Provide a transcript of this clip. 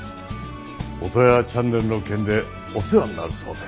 オトワヤチャンネルの件でお世話になるそうで。